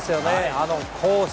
あのコース